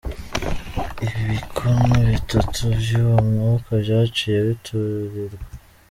Ibikono bitatu vy'uwo mwuka vyaciye biturirwa.